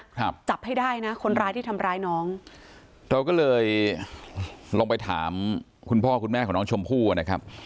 ครับจับให้ได้นะคนร้ายที่ทำร้ายน้องเราก็เลยลองไปถามคุณพ่อคุณแม่ของน้องชมพู่อ่ะนะครับ